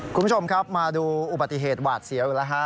คุณผู้ชมครับมาดูอุบัติเหตุหวาดเสียวแล้วฮะ